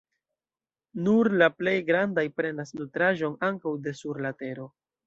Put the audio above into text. Nur la plej grandaj prenas nutraĵon ankaŭ de sur la tero.